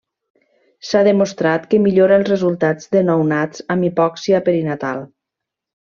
S’ha demostrat que millora els resultats de nounats amb hipòxia perinatal.